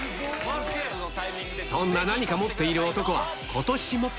そんな何か持っている男は、ことしも。